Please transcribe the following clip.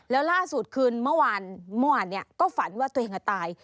แล้วล่าสุดคืนเมื่อวานก็ฝันว่าตัวเองตาย